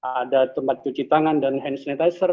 ada tempat cuci tangan dan hand sanitizer